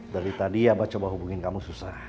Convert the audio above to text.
dari tadi abah coba hubungin kamu susah